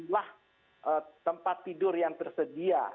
jumlah tempat tidur yang tersedia